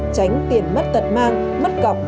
tránh tiền mất tật mang mất cọc